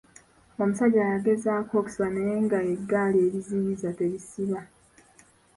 Omusajja yagezaako okusiba naye nga eggaali ebiziyiza tebisiba.